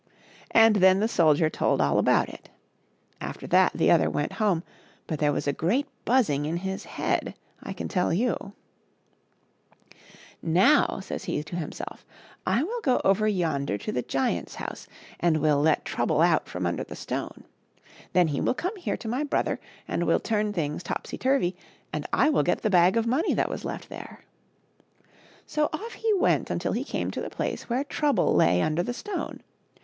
And then the soldier told all about it. After that the other went home, but there was a great buzzing in his head, I can tell you !" Now," says he to himself, " I will go over yonder to the giants' house, and will let Trouble out from under the stone. Then he will come here to my brother and will turn things topsy turvy, and I will get the bag of money that was left there." So, off he went until he came to the place where Trouble lay under the stone.